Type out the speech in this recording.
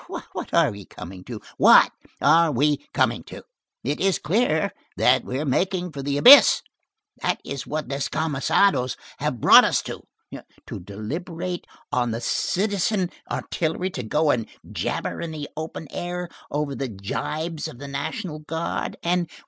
What are we coming to? What are we coming to? It is clear that we are making for the abyss. That is what the descamisados have brought us to! To deliberate on the citizen artillery! To go and jabber in the open air over the jibes of the National Guard!